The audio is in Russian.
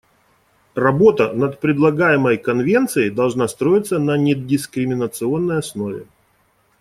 Работа над предлагаемой конвенцией должна строиться на недискриминационной основе.